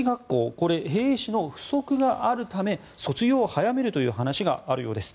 これは兵士の不足があるため卒業を早めるという話があるようです。